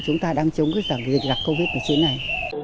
chúng ta đang chống cái dịch vật covid này